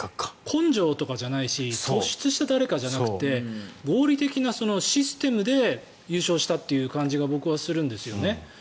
根性とかじゃないし突出した誰かじゃなくて合理的なシステムで優勝したという感じが僕はするんですよね。